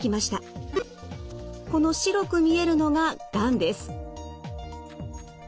この白く見えるのががんです。